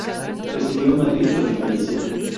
Residió en Madrid, donde falleció.